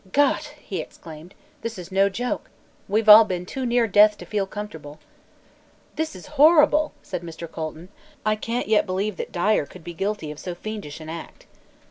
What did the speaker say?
"Gott!" he exclaimed, "this is no joke. We've all been too near death to feel comfortable." "This is horrible!" said Mr. Colton, "I can't yet believe that Dyer could be guilty of so fiendish an act."